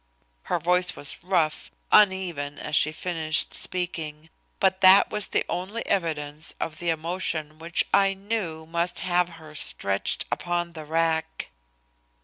Her voice was rough, uneven as she finished speaking, but that was the only evidence of the emotion which I knew must have her stretched upon the rack.